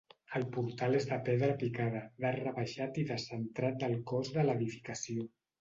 El portal és de pedra picada, d'arc rebaixat i descentrat del cos de l'edificació.